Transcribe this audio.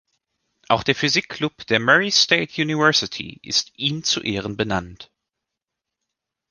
Auch der Physik-Club der Murray State University ist ihm zu Ehren benannt.